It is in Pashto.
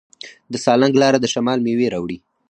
د سالنګ لاره د شمال میوې راوړي.